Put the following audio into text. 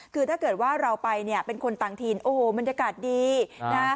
คือถ้าเกิดว่าเราไปเนี่ยเป็นคนต่างถิ่นโอ้โหบรรยากาศดีนะ